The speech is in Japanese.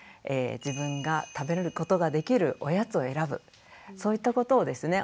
自分が食べれることができるおやつを選ぶそういったことをですね